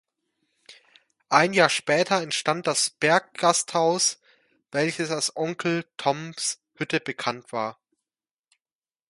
Ein Jahr später entstand das Berggasthaus, welches als „Onkel Toms Hütte“ bekannt war.